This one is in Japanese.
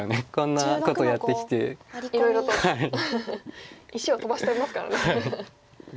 いろいろと石を飛ばしてますからね。